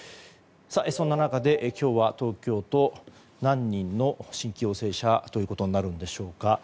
そんな中、今日は東京都何人の新規陽性者となるんでしょうか。